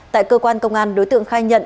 tại cơ quan công an đối tượng khai nhận